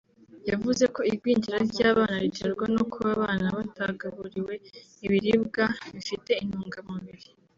yavuze ko igwingira ry’abana riterwa no kuba abana batagaburiwe ibiribwa bifite intungamubiri